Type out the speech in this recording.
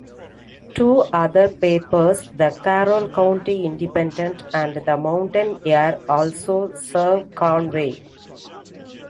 Two other papers, "The Carroll County Independent" and "The Mountain Ear" also serve Conway.